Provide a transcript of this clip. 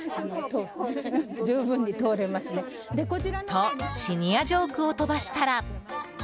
と、シニアジョークを飛ばしたら。